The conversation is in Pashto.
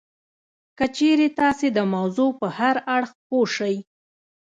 که چېرې تاسې د موضوع په هر اړخ پوه شئ